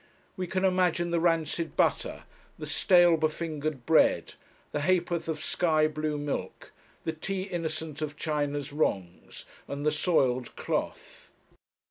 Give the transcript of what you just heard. We can imagine the rancid butter, the stale befingered bread, the ha'porth of sky blue milk, the tea innocent of China's wrongs, and the soiled cloth.